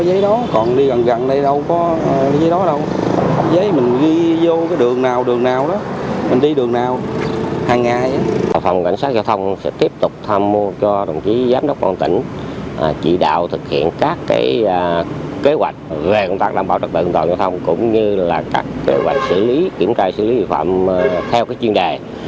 về công tác đảm bảo trật tự an toàn giao thông cũng như là các kế hoạch xử lý kiểm tra xử lý vi phạm theo cái chuyên đề